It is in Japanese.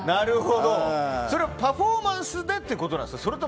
それはパフォーマンスでっていうことですか？